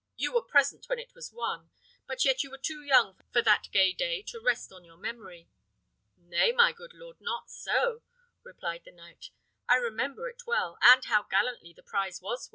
You were present when it was won; but yet you were too young for that gay day to rest on your memory." "Nay, my good lord, not so," replied the knight; "I remember it well, and how gallantly the prize was won.